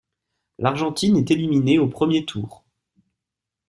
L'Argentine est éliminée au premier tour.